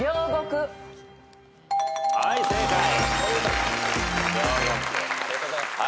はい正解。